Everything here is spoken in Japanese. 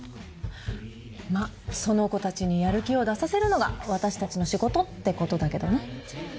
まっその子たちにやる気を出させるのが私たちの仕事ってことだけどね。